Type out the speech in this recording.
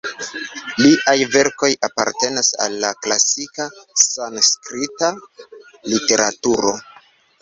Liaj verkoj apartenas al la klasika sanskrita literaturo.